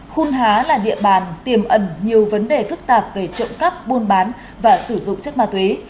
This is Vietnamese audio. khuôn há là địa bàn tiềm ẩn nhiều vấn đề phức tạp về trộm cắp buôn bán và sử dụng chất ma túy